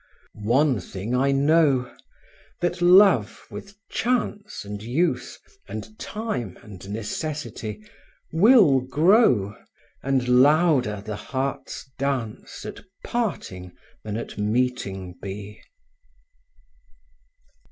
One thing I know, that love with chance And use and time and necessity Will grow, and louder the heart's dance At parting than at meeting be.